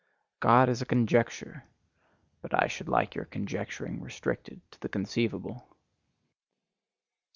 God is a conjecture: but I should like your conjecturing restricted to the conceivable.